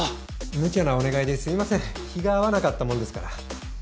むちゃなお願いですみません日が合わなかったもんですから。